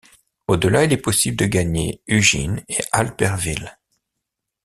Au-delà, il est possible de gagner Ugine et Albertville.